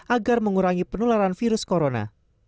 agar mengurangi penularan virus corona